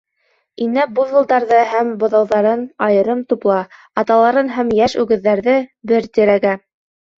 Инә буйволдарҙы һәм быҙауҙарын айырым тупла, аталарын һәм йәш үгеҙҙәрҙе — бер тирәгә.